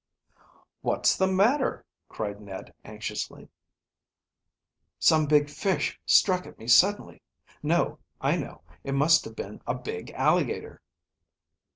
"What's the matter?" cried Ned anxiously. "Some big fish struck at me suddenly. No, I know, it must have been a big alligator."